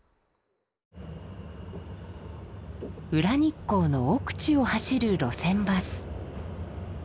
裏日光の奥地を走る路線バス。